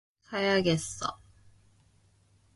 가야겠어.